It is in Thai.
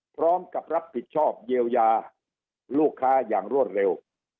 พร้อมกับรับผิดชอบเยียวยาลูกค้าอย่างรวดเร็ว